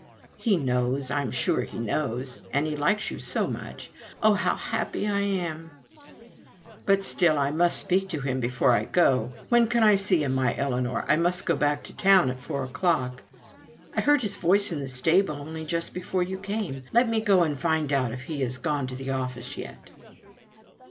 "He knows; I am sure he knows; and he likes you so much. Oh, how happy I am!" "But still I must speak to him before I go. When can I see him, my Ellinor? I must go back to town at four o'clock." "I heard his voice in the stable yard only just before you came. Let me go and find out if he is gone to the office yet."